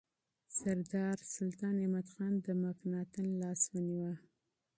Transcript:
سردار سلطان احمدخان د مکناتن لاس ونیو.